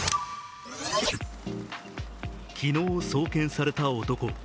昨日送検された男。